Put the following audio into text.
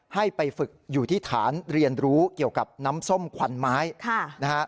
ให้ไปฝึกอยู่ที่ฐานเรียนรู้เกี่ยวกับน้ำส้มควันไม้นะฮะ